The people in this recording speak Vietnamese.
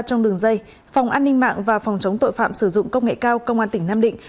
trong đường dây phòng an ninh mạng và phòng chống tội phạm sử dụng công nghệ cao công an tỉnh nam định